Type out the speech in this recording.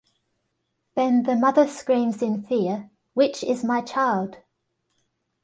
Then the mother screams in fear, Which is my child!